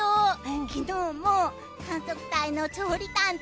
昨日も観測隊の調理担当